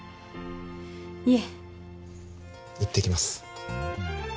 いえ行ってきます